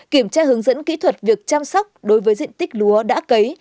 kiểm tra hướng dẫn kỹ thuật việc chăm sóc đối với diện tích lúa đã cấy